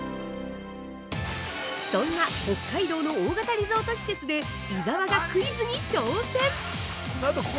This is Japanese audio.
そんな北海道の大型リゾート施設で、伊沢がクイズに挑戦！